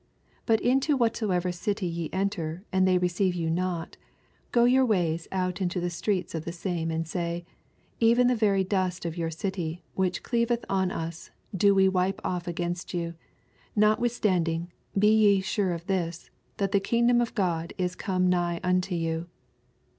10 But into whatsoever dty ye en ter, and they receive you not, go your wavs out into the streets of the same, andsav, 11 Even the very dost of your city, which deaveth on us, we do wipe on Bgunst you : notwithstanding, be ye sure of this, that the kingdom of God is come nigh unto you.